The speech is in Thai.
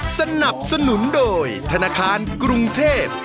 สนับสนุนโดยธนาคารกรุงเทพ